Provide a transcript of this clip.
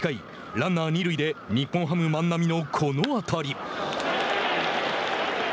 ランナー二塁で日本ハム万波のこの当たり。